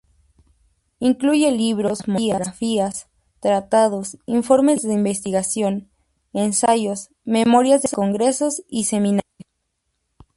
Incluye libros, monografías, tratados, informes de investigación, ensayos, memorias de congresos y seminarios.